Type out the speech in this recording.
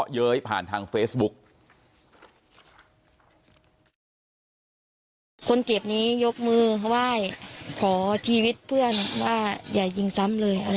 อายุ๑๐ปีนะฮะเขาบอกว่าเขาก็เห็นถูกยิงนะครับ